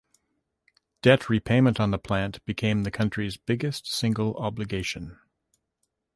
Debt repayment on the plant became the country's biggest single obligation.